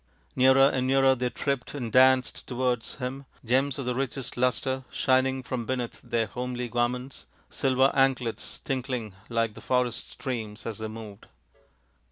Nearer and nearer they tripped and danced towards him, gems of the richest lustre shining from beneath their homely garments, silver anklets tink ling like the forest streams as they moved.